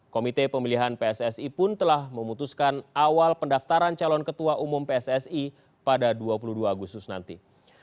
komite pemilihan pssi pun telah memutuskan awal pendaftaran calon ketua umum pssi pada dua puluh dua agustus nanti